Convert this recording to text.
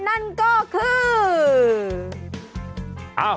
นั่นก็คือ